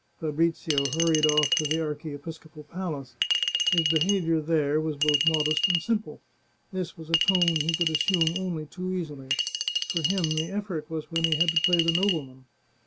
Fabrizio hurried off to the archiepiscopal palace. His behaviour there was both modest and simple. This was a tone he could assume only too easily. For him the effort was when he had to play the nobleman.